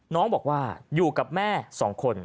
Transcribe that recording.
น้องบอกว่าอยู่กับแม่๒คน